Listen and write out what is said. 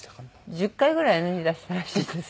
１０回ぐらいＮＧ出したらしいんですよ。